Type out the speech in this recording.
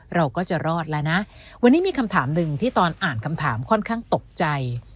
เราก็จะรอดแล้วนะวันนี้มีคำถามหนึ่งที่ตอนอ่านคำถามค่อนข้างตกใจ